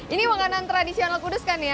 ini makanan tradisional kudus kan ya